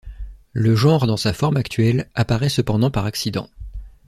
Le genre dans sa forme actuelle apparait cependant par accident.